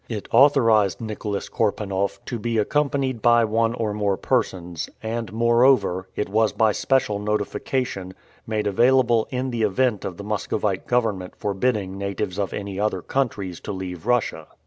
It authorized Nicholas Korpanoff to be accompanied by one or more persons, and, moreover, it was, by special notification, made available in the event of the Muscovite government forbidding natives of any other countries to leave Russia.